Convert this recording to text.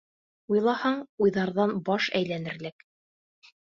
Уйлаһаң, уйҙарҙан баш әйләнерлек.